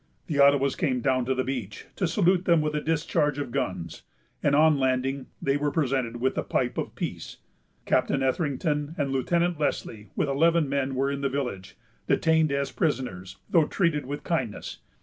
The Ottawas came down to the beach, to salute them with a discharge of guns; and, on landing, they were presented with the pipe of peace. Captain Etherington and Lieutenant Leslie, with eleven men, were in the village, detained as prisoners, though treated with kindness.